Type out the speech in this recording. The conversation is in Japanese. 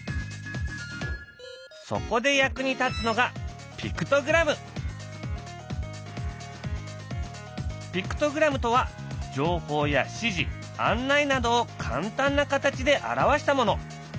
そこで役に立つのがピクトグラムとは情報や指示案内などを簡単な形で表したもの。